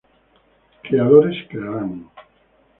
creadores crearan